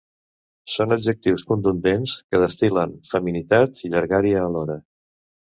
Són adjectius contundents que destil·len femineïtat i llargària alhora.